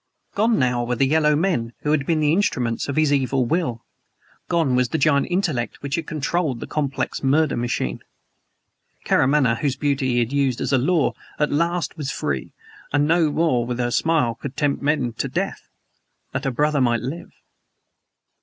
Gone now were the yellow men who had been the instruments of his evil will; gone was the giant intellect which had controlled the complex murder machine. Karamaneh, whose beauty he had used as a lure, at last was free, and no more with her smile would tempt men to death that her brother might live.